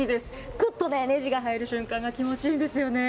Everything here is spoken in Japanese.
ぐっとねじが入る瞬間、気持ちいいんですよね。